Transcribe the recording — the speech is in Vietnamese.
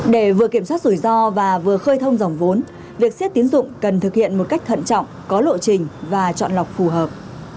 để vừa kiểm soát rủi ro và vừa khơi thông dòng vốn việc xếp tiến dụng cần thực hiện một cách thận trọng có lộ trình và chọn lọc phù hợp